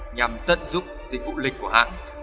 nhằm tận dụng dịch vụ lịch của hãng